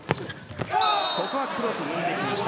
ここはクロスを抜いていきました。